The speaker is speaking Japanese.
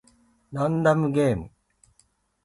ランダムゲーム